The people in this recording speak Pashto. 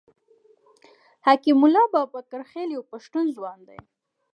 حکیم الله بابکرخېل یو پښتون ځوان دی.